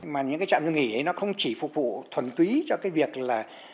mà những cái trạm dừng nghỉ ấy nó không chỉ phục vụ thuần túy cho cái việc là